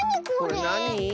これなに？